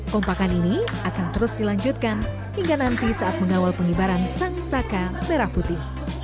kompakan ini akan terus dilanjutkan hingga nanti saat mengawal pengibaran sang saka merah putih